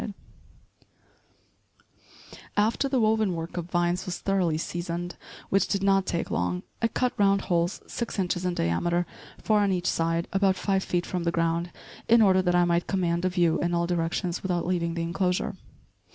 After the woven work of vines was thoroughly seasoned, which did not take long, I cut round holes six inches in diameter, four on each side, about five feet from the ground, in order that I might command a view in all directions without leaving the enclosure.